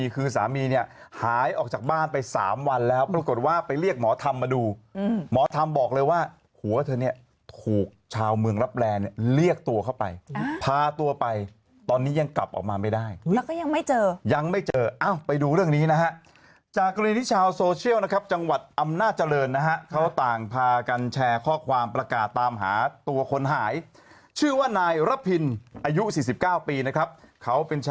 กลุ่มม็อทำมาดูหมอทำบอกเลยว่าหัวเธอเนี่ยถูกชาวเมืองรับแรงเนี่ยเรียกตัวเข้าไปพาตัวไปตอนนี้ยังกลับออกมาไม่ได้แล้วก็ยังไม่เจอยังไม่เจอไปดูเรื่องนี้นะฮะจากรีนิชาวโซเชียลนะครับจังหวัดอำนาจริย์นะฮะเขาต่างพากันแชร์ข้อความประกาศตามหาตัวคนหายชื่อว่านายระบินอายุสี่สิบเ